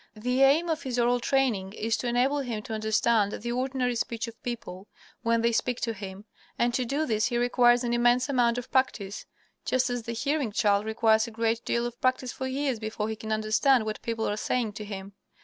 The aim of his oral training is to enable him to understand the ordinary speech of people when they speak to him, and to do this he requires an immense amount of practice, just as the hearing child requires a great deal of practice for years before he can understand what people are saying to him.